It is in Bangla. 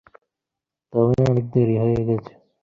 কঠোর সাধনা করে এ দেহ পাত করে ফেলেছি।